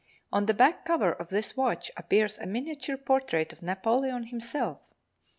On the back cover of this watch appears a miniature portrait of Napoleon himself.